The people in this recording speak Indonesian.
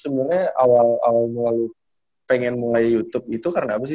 sebenarnya awal awal pengen mulai youtube itu karena apa sih